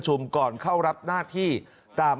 คุณสิริกัญญาบอกว่า๖๔เสียง